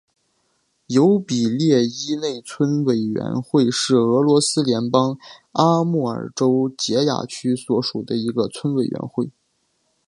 尤比列伊内村委员会是俄罗斯联邦阿穆尔州结雅区所属的一个村委员会。